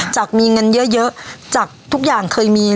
จากมีเงินเยอะจากทุกอย่างเคยมี